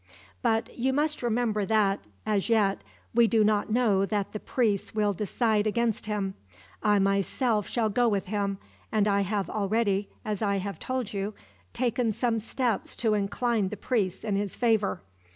"But you must remember that, as yet, we do not know that the priests will decide against him. I myself shall go with him, and I have already, as I have told you, taken some steps to incline the priests in his favor.